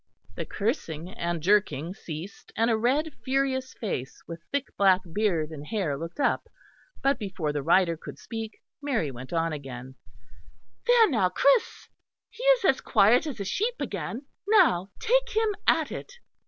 The cursing and jerking ceased, and a red furious face with thick black beard and hair looked up. But before the rider could speak, Mary went on again: "There now, Chris, he is as quiet as a sheep again. Now take him at it."